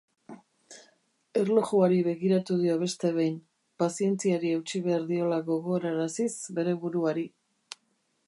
Erlojuari begiratu dio beste behin, pazientziari eutsi behar diola gogoraraziz bere buruari.